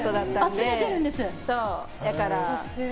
集めてるんです。